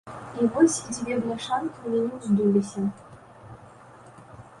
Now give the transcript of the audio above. І вось дзве бляшанкі ў мяне ўздуліся!